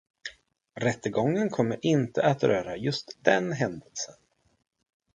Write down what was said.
Rättegången kommer inte att röra just den händelsen.